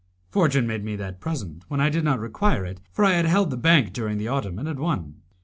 Fortune made me that present when I did not require it, for I had held the bank during the autumn, and had won.